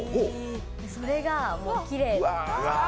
それがもうきれいで。